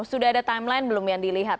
sudah ada timeline belum yang dilihat